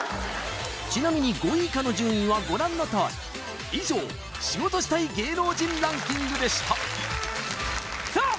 ちなみに５位以下の順位はご覧のとおり以上仕事したい芸能人ランキングでしたさあ